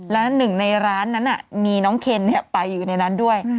และหนึ่งในร้านนั้นมีน้องเคนไปอยู่ในนั้นด้วย